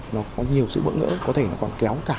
nó có nhiều sự bợn nữa có thể nó còn kéo cả